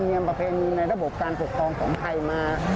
อยู่ในระบบการปกครองไทยมา